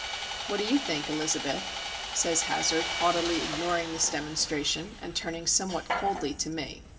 "What do you think, Elizabeth?" says Hazard, haughtily ignoring this demonstration, and turning somewhat coldly to me.